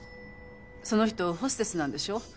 その人ホステスなんでしょ。